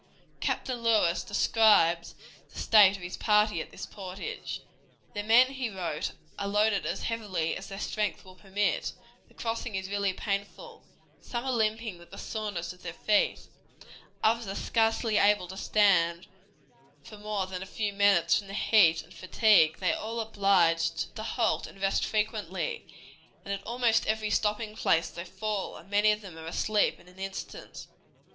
Captain Lewis described the state of his party at this portage. "The men," he wrote, "are loaded as heavily as their strength will permit; the crossing is really painful; some are limping with the soreness of their feet, others are scarcely able to stand for more than a few minutes from the heat and fatigue; they are all obliged to halt and rest frequently, and at almost every stopping place they fall, and many of them are asleep in an instant."